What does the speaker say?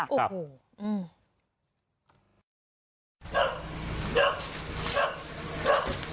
ครับ